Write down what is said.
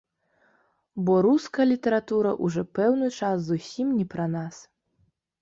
Бо руская літаратура ўжо пэўны час зусім не пра нас.